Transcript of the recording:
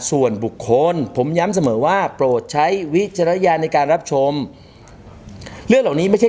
ส่วนบุคคลผมย้ำเสมอว่าโปรดใช้วิจารณญาณในการรับชมเรื่องเหล่านี้ไม่ใช่